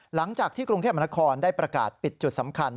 หลังจากที่กรุงเทพมนครได้ประกาศปิดจุดสำคัญ